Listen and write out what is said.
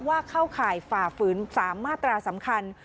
เข้าข่ายฝ่าฝืน๓มาตราสำคัญ